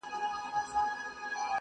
• یو ښکاري وو چي په ښکار کي د مرغانو -